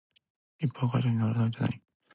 いっぱい書いたのに足らないってなに？